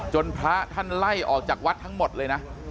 พระท่านไล่ออกจากวัดทั้งหมดเลยนะ